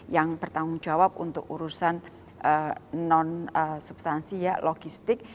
yang bertanggung jawab untuk urusan non substansi ya logistik